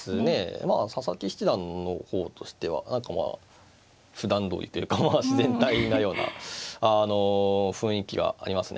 まあ佐々木七段の方としては何かまあふだんどおりっていうか自然体なような雰囲気がありますね。